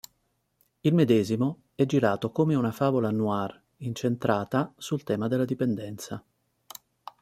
Il medesimo è girato come una favola noir incentrata sul tema della dipendenza.